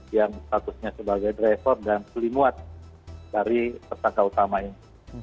yang statusnya sebagai driver dan pelimuat dari tersangka utama ini